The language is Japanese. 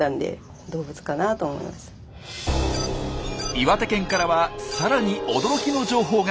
岩手県からはさらに驚きの情報が。